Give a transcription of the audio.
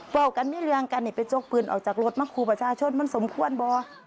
ว่ากันนี่เรียงกันนี่ไปโจ๊กปืนออกจากรถมาครูประชาชนมันสมควรบ่